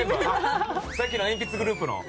さっきの鉛筆グループの。